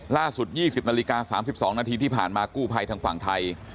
ล่าสุด๒๐นาฬิกา๓๒นาทีที่ผ่านมากู้ภัยทางฝั่งไทย